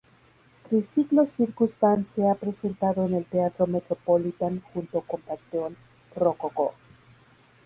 Triciclo Circus Band se ha presentado en el Teatro Metropolitan junto con Panteón Rococó.